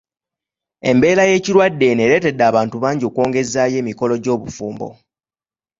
Embeera y'ekirwadde eno ereetedde abantu bangi okwongezaayo emikolo gy'obufumbo.